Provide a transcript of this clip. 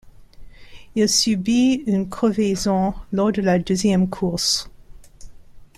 Il subit une crevaison lors de la deuxième course.